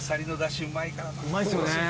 うまいですよね。